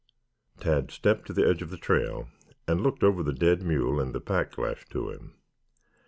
Tad stepped to the edge of the trail and looked over the dead mule and the pack lashed to him.